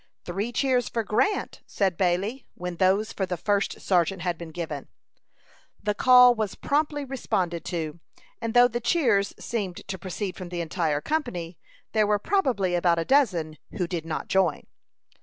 "Three cheers for Grant!" said Bailey, when those for the first sergeant had been given. The call was promptly responded to, and though the cheers seemed to proceed from the entire company, there were probably about a dozen who did not join.